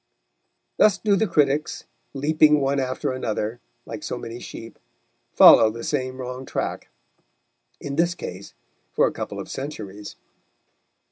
Thus do the critics, leaping one after another, like so many sheep, follow the same wrong track, in this case for a couple of centuries.